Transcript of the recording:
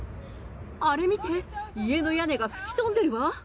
あれ見て、家の屋根が吹き飛んでるわ。